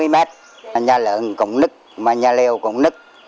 hai mươi mét nhà lượng cũng nứt nhà liều cũng nứt